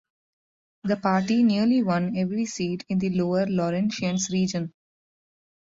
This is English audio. The party nearly won every seat in the lower Laurentians region.